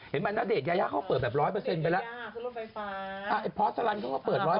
เห็นมั้ยนาเดชยายาเขาเปิดแบบร้อยเปอร์เซ็นต์ไปแล้วพอสต์สลันต์เขาก็เปิดร้อยเปอร์เซ็นต์